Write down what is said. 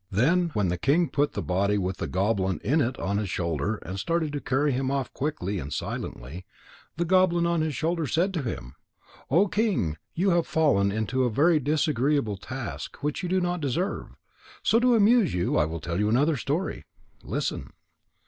Then, when the king put the body with the goblin in it on his shoulder and started to carry him off quickly and silently, the goblin on his shoulder said to him: "Oh King, you have fallen into a very disagreeable task which you do not deserve. So to amuse you I will tell another story. Listen."